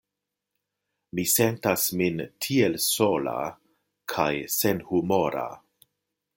Mi sentas min tiel sola kaj senhumora."